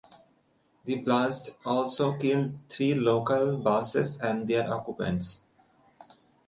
The blast also killed three local buses and their occupants.